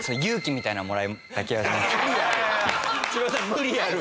無理ある。